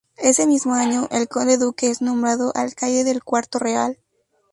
Ese mismo año, el Conde-Duque es nombrado alcaide del Cuarto Real.